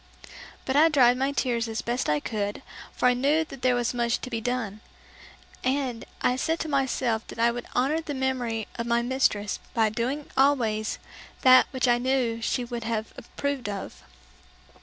But I dried my tears as best I could, for I knew there was much to be done; and I said to myself that I would honor the memory of my mistress by doing always that which I knew she would have approved of.